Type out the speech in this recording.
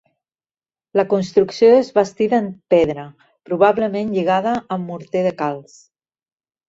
La construcció és bastida en pedra, probablement lligada amb morter de calç.